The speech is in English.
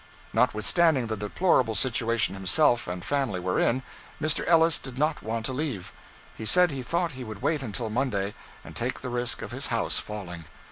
Notwithstanding the deplorable situation himself and family were in, Mr. Ellis did not want to leave. He said he thought he would wait until Monday, and take the risk of his house falling.